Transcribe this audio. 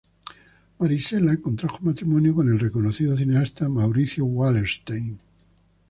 Marisela contrajo matrimonio con el reconocido cineasta Mauricio Wallerstein.